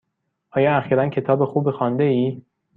آیا اخیرا کتاب خوبی خوانده ای؟